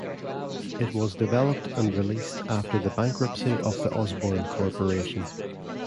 It was developed and released after the bankruptcy of the Osborne corporation.